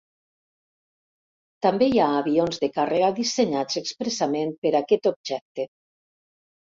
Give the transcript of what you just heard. També hi ha avions de càrrega dissenyats expressament per aquest objecte.